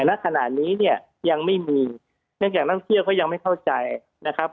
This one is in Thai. ณขณะนี้เนี่ยยังไม่มีเนื่องจากนักท่องเที่ยวก็ยังไม่เข้าใจนะครับ